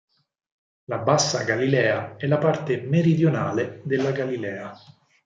La Bassa Galilea è la parte meridionale della Galilea.